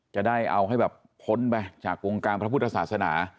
จะได้เอาให้แบบพ้นไปจากวงการพระพุทธศาสนา